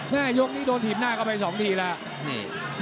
แม่ยกนี้โดนถิ่มหน้าเข้าไป๒ทีแล้ว